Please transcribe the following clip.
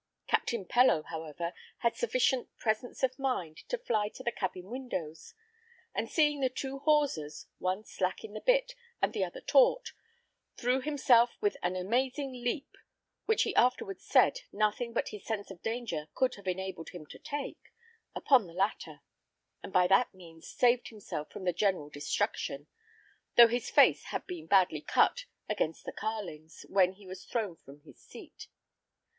Captain Pellow, however, had sufficient presence of mind to fly to the cabin windows, and seeing the two hawsers, one slack in the bit and the other taut, threw himself with an amazing leap, which he afterwards said, nothing but his sense of danger could have enabled him to take, upon the latter, and by that means saved himself from the general destruction, though his face had been badly cut against the carlings, when he was thrown from his seat.